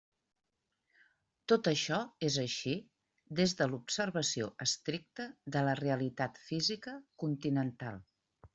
Tot això és així des de l'observació estricta de la realitat física continental.